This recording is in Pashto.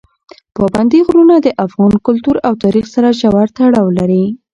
پابندي غرونه د افغان کلتور او تاریخ سره ژور تړاو لري.